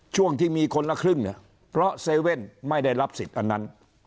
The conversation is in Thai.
ช่วงที่มีคนละครึ่งเนี่ยเพราะเซเว่นไม่ได้รับสิทธิ์อันนั้น